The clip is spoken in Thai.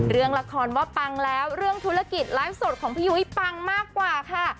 เรื่องละครว่าปังแล้วเรื่องธุรกิจไลฟ์สดของพี่ยุ้ยปังมากกว่าค่ะ